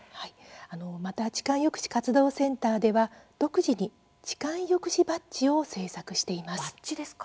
また痴漢抑止活動センターでは独自に痴漢抑止バッジを制作しています。